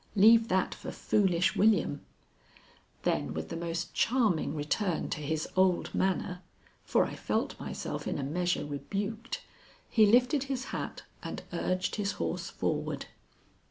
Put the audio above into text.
Leave that for foolish William." Then with the most charming return to his old manner, for I felt myself in a measure rebuked, he lifted his hat and urged his horse forward.